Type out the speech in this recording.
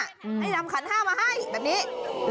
ให้นำขันห้ามาให้แบบนี้